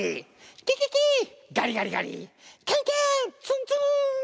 ツンツーン！